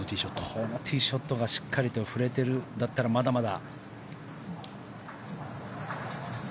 このティーショットがしっかり振れてるんだったらまだまだ。